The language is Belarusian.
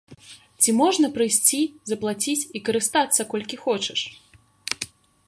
Ці можна прыйсці, заплаціць і карыстацца, колькі хочаш?